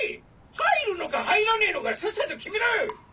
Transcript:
入るのか入らねえのかさっさと決めろ！